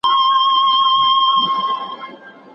ټولنه د نوې تکنالوژۍ منل زده کوي.